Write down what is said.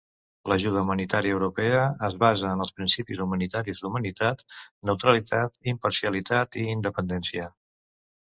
L'ajuda humanitària europea es basa en els principis humanitaris d'humanitat, neutralitat, imparcialitat i independència.